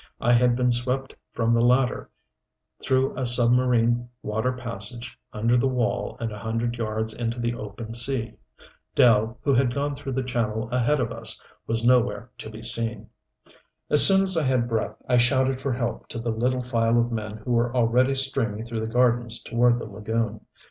I had been swept from the latter, through a submarine water passage under the wall and a hundred yards into the open sea. Dell, who had gone through the channel ahead of us, was nowhere to be seen. As soon as I had breath I shouted for help to the little file of men who were already streaming through the gardens toward the lagoon.